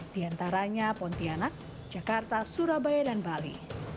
diantaranya pontianak jakarta surabaya dan bali